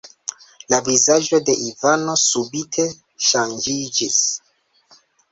La vizaĝo de Ivano subite ŝanĝiĝis.